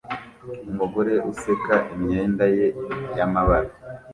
Umugore useka imyenda ye y'amabara